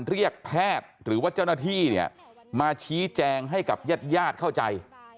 เรียกแพทย์หรือว่าเจ้าหน้าที่เนี่ยมาชี้แจงให้กับญาติญาติเข้าใจ